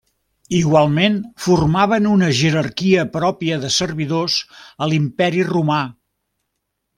Igualment formaven una jerarquia pròpia de servidors a l'Imperi Romà.